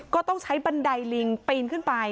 ก็ต้องใช้บันไดลิงปีนขึ้นไป